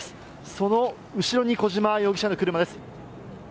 その後ろに小島容疑者の車です。